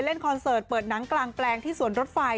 คอนเสิร์ตเปิดหนังกลางแปลงที่สวนรถไฟ